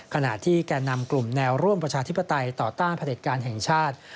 ขณะที่แก่นำกลุ่มแนวร่วมประชาธิปไตยต่อต้านผลิตการแห่งชาติ